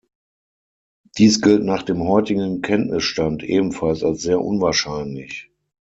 Dies gilt nach dem heutigen Kenntnisstand ebenfalls als sehr unwahrscheinlich.